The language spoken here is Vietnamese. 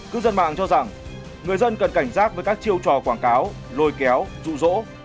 cứ dân mạng cho rằng người dân cần cảnh giác với các chiêu trò quảng cáo lôi kéo dụ dỗ